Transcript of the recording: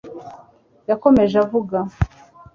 yakomeje avuga